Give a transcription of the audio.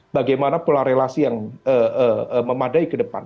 bagaimana pola relasi yang memadai ke depan